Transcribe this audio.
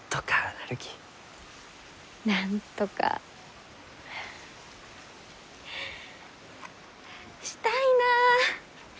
なんとかしたいなあ。